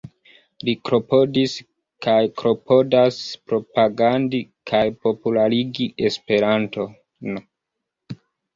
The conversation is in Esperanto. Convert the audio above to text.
Li klopodis kaj klopodas propagandi kaj popularigi esperanton.